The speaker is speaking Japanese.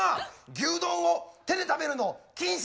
牛丼を手で食べるの禁止！